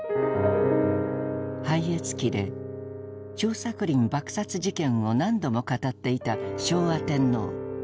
「拝謁記」で張作霖爆殺事件を何度も語っていた昭和天皇。